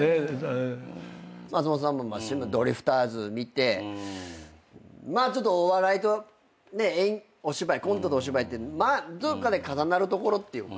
松本さんもドリフターズ見てお笑いとお芝居コントとお芝居ってどっかで重なるところっていうか。